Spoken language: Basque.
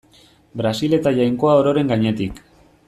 Brasil eta Jainkoa ororen gainetik.